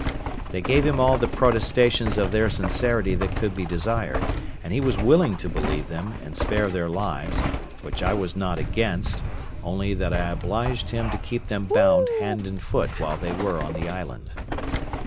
They gave him all the protestations of their sincerity that could be desired; and he was willing to believe them, and spare their lives, which I was not against, only that I obliged him to keep them bound hand and foot while they were on the island.